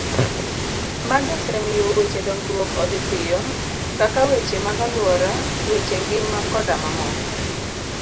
Magi osemiyo weche dongruok odhi piyo, kaka weche mag aluora, weche ngima koda mamoko.